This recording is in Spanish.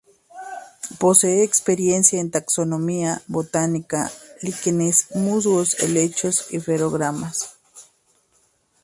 Posee experiencia en taxonomía botánica: líquenes, musgos, helechos, fanerógamas.